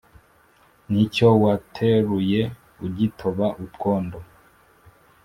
ni cyo wateruye ugitoba utwondo